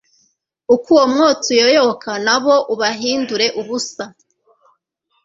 uko umwotsi uyoyoka, na bo ubahindure ubusa;